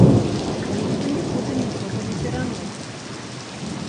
Ніхто нікуды нічога не пераносіць.